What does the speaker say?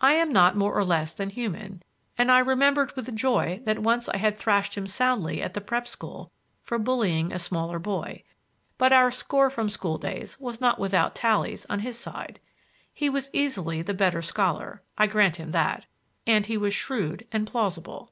I am not more or less than human, and I remembered with joy that once I had thrashed him soundly at the prep school for bullying a smaller boy; but our score from school days was not without tallies on his side. He was easily the better scholar—I grant him that; and he was shrewd and plausible.